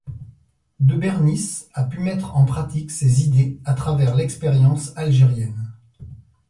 De Bernis a pu mettre en pratique ses idées à travers l'expérience algérienne.